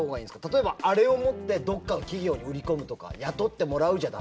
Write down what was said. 例えばあれを持ってどっかの企業に売り込むとか雇ってもらうじゃダメなんですか？